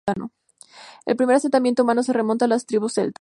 El primer asentamiento humano se remonta a las tribus celtas.